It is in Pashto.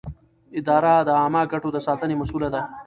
اداره د عامه ګټو د ساتنې مسووله ده.